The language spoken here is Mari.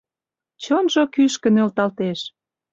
Чонжо кӱшкӧ нӧлталтеш!